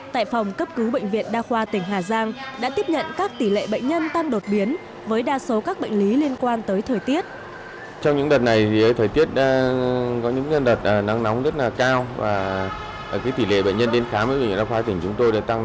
tại phòng cấp cứu bệnh viện đa khoa tỉnh hà giang đã tiếp nhận các tỷ lệ bệnh nhân tăng đột biến với đa số các bệnh lý liên quan tới thời tiết